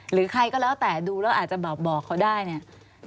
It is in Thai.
หรือใครก็แล้วแต่ดูแล้วอาจจะแบบบอกเขาได้เนี่ย